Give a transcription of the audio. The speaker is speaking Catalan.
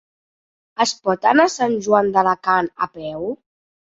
Es pot anar a Sant Joan d'Alacant a peu?